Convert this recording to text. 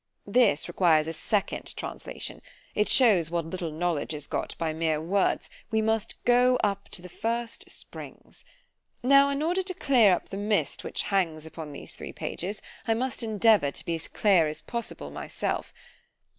This requires a second translation:—it shews what little knowledge is got by mere words—we must go up to the first springs. Now in order to clear up the mist which hangs upon these three pages, I must endeavour to be as clear as possible myself.